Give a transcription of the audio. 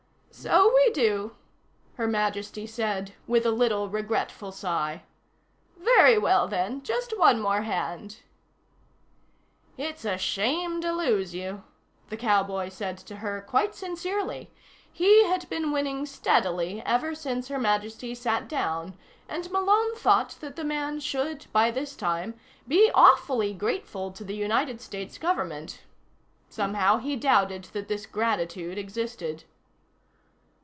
"So we do," Her Majesty said with a little regretful sigh. "Very well, then. Just one more hand." "It's a shame to lose you," the cowboy said to her, quite sincerely. He had been winning steadily ever since Her Majesty sat down, and Malone thought that the man should, by this time, be awfully grateful to the United States Government. Somehow, he doubted that this gratitude existed.